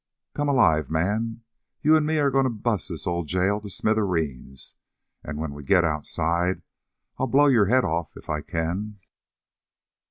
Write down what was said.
Come alive, man. You and me are going to bust this ol' jail to smithereens, and when we get outside I'll blow your head off if I can!"